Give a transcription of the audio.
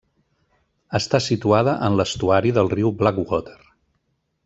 Està situada en l'estuari del Riu Blackwater.